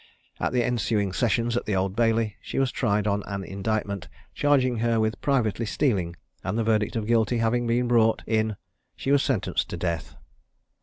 At the ensuing sessions at the Old Bailey, she was tried on an indictment charging her with privately stealing; and a verdict of guilty having been brought in, she was sentenced to death.